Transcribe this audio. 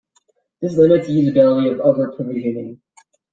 This limits usability of over-provisioning.